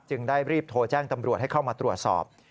ได้รีบโทรแจ้งตำรวจให้เข้ามาตรวจสอบ